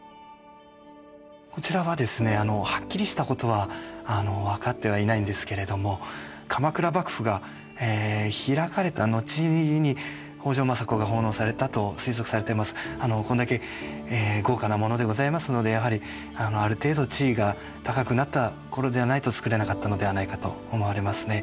こちらはですねはっきりしたことは分かってはいないんですけれどもこんだけ豪華なものでございますのでやはりある程度地位が高くなった頃ではないと作れなかったのではないかと思われますね。